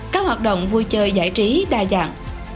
các hoạt động vui chơi giải trí đa dạng